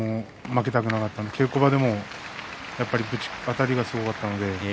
負けたくなかったんで稽古場でも、あたりがすごかったんです。